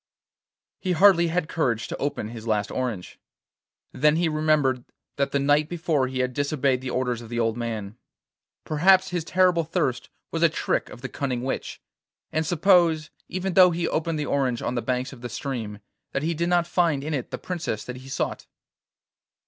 He hardly had courage to open his last orange. Then he remembered that the night before he had disobeyed the orders of the old man. Perhaps his terrible thirst was a trick of the cunning witch, and suppose, even though he opened the orange on the banks of the stream, that he did not find in it the princess that he sought?